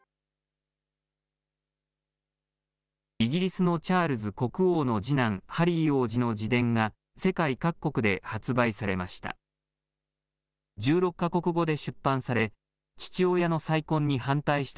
イギリスのチャールズ国王の次男、ハリー王子の自伝が、世界各国で発売されました。